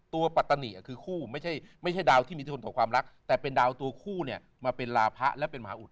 ปัตตานีคือคู่ไม่ใช่ดาวที่มีทนต่อความรักแต่เป็นดาวตัวคู่เนี่ยมาเป็นลาพะและเป็นมหาอุด